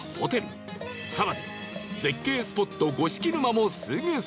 更に絶景スポット五色沼もすぐそこ